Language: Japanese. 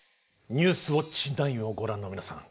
「ニュースウオッチ９」をご覧の皆さん